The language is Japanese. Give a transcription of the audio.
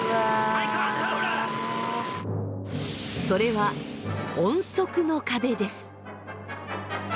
それは音速の壁です。